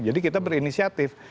jadi kita berinisiatif